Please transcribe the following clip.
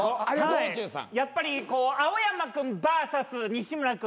やっぱり青山君ＶＳ西村君